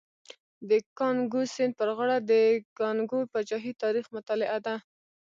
د کانګو سیند پر غاړه د کانګو پاچاهۍ تاریخ مطالعه ده.